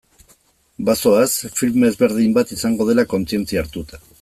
Bazoaz, film ezberdin bat izango dela kontzientzia hartuta.